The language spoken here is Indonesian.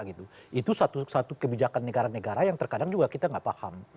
itu satu kebijakan negara negara yang terkadang juga kita tidak paham